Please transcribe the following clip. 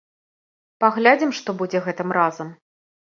Паглядзім, што будзе гэтым разам.